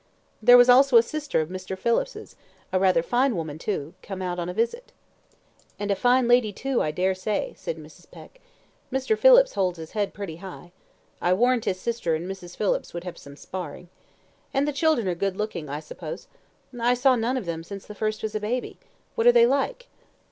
"There was also a sister of Mr. Phillips's rather a fine woman, too come out on a visit." "And a fine lady, too, I dare say," said Mrs. Peck. "Mr. Phillips holds his head pretty high. I warrant his sister and Mrs. Phillips would have some sparring. And the children are good looking, I suppose? I saw none of them since the first was a baby. What are they like?"